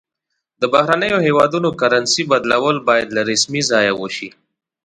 د بهرنیو هیوادونو کرنسي بدلول باید له رسمي ځایه وشي.